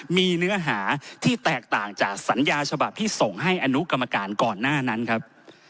มีเนื้อหาที่แตกต่างจากสัญญาฉบับที่ส่งให้อนุกรรมการก่อนหน้านั้นครับ